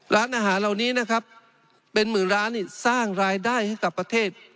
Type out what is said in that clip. ร้านอาหารเหล่านี้นะครับเป็นหมื่นร้านสร้างรายได้ให้กับประเทศ